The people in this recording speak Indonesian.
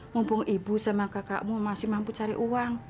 mumpung ibu sama kakakmu masih mampu cari uang